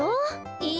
え！